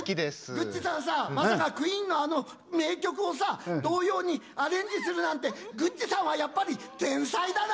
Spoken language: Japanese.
グッチさんさまさかクイーンの、あの名曲をさ童謡にアレンジするなんてグッチさんはやっぱり天才だな！